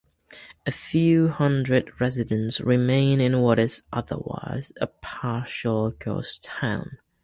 A few hundred residents remain in what is otherwise a partial ghost town.